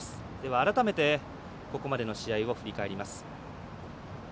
改めて、ここまでの試合を振り返ります。